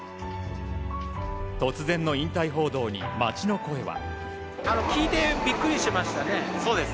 突然の引退報道に街の声は。